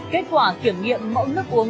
kết quả kiểm nghiệm mẫu nước uống